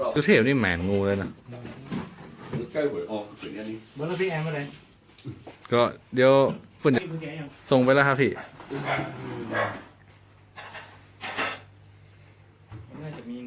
สวัสดีครับคนในวันดำแขวน๕ที่ทำงานชมดำเยี่ยม